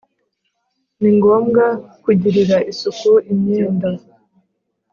Ni ngombwa kugirira isuku imyenda